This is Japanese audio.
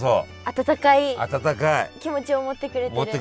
温かい気持ちを持ってくれてる？